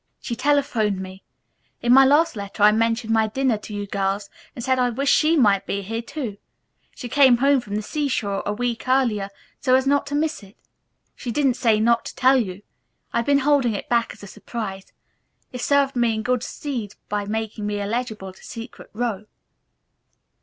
She telephoned me. In my last letter I mentioned my dinner to you girls, and said I wished she might be here too. She came home from the seashore a week earlier so as not to miss it. She didn't say not to tell you. I had been holding it back as a surprise. It served me in good stead by making me eligible to Secret Row."